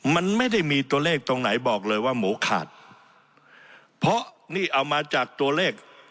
มันไม่ได้มีตัวเลขตรงไหนบอกเลยว่าหมูขาดเพราะนี่เอามาจากตัวเลข